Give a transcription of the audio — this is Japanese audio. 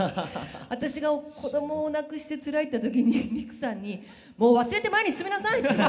私が子供を亡くしてつらいって時にりくさんに「もう忘れて前に進みなさい」って言われて。